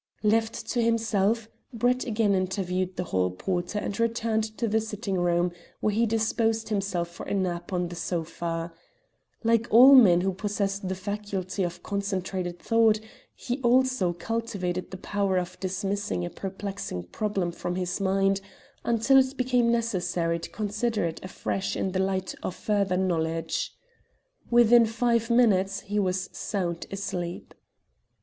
Left to himself, Brett again interviewed the hall porter and returned to the sitting room, where he disposed himself for a nap on the sofa. Like all men who possess the faculty of concentrated thought, he also cultivated the power of dismissing a perplexing problem from his mind until it became necessary to consider it afresh in the light of further knowledge. Within five minutes he was sound asleep.